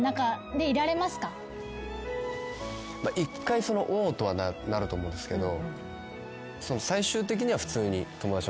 一回「おぉ」とはなると思うんですけど。